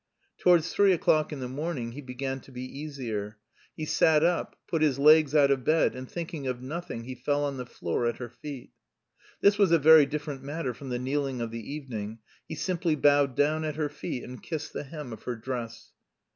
Towards three o'clock in the morning he began to be easier; he sat up, put his legs out of bed and thinking of nothing he fell on the floor at her feet. This was a very different matter from the kneeling of the evening; he simply bowed down at her feet and kissed the hem of her dress.